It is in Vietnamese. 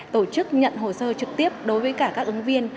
tổ chức nhận hồ sơ trực tiếp đối với cả các ứng viên